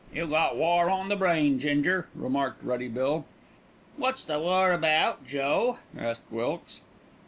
"You got war on the brain, Ginger," remarked Ruddy Bill. "Wot's the war about, Joe?" asked Wilkes.